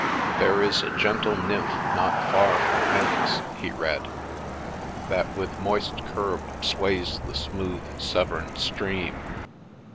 There is a gentle nymph not far from hence, he read, That with moist curb sways the smooth Severn stream.